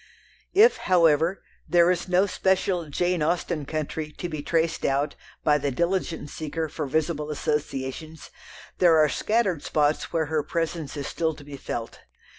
If, however, there is no special "Jane Austen country" to be traced out by the diligent seeker for visible associations, there are scattered spots where her presence is still to be felt.